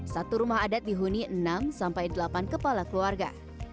satu rumah adat dihuni enam sampai delapan kepala keluarga